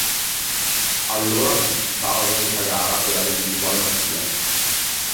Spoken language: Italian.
Allora si disputava un'unica gara quella dell'individuale maschile.